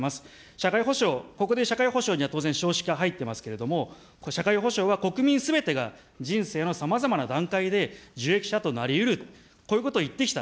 社会保障、ここで社会保障には当然、少子化入ってますけれども、これ、社会保障が国民すべてが、人生のさまざまな段階で、受益者となりうる、こういうことを言ってきた。